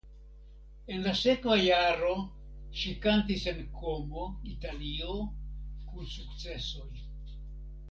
En la sekva jaro ŝi kantis en Komo (Italio) kun sukcesoj.